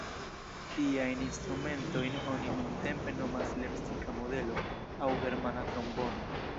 Tiajn instrumentojn oni nuntempe nomas "lepsika modelo" aŭ "germana trombono".